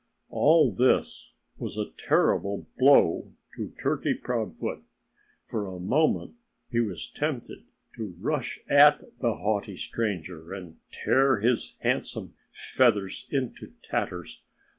All this was a terrible blow to Turkey Proudfoot. For a moment he was tempted to rush at the haughty stranger and tear his handsome feathers into tatters.